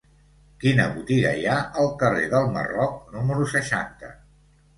Quina botiga hi ha al carrer del Marroc número seixanta?